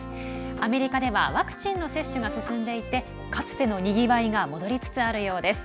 アメリカではワクチンの接種が進んでいてかつてのにぎわいが戻りつつあるようです。